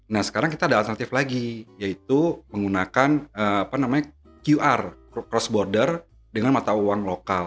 nah sekarang kita ada alternatif lagi yaitu menggunakan qr cross border dengan mata uang lokal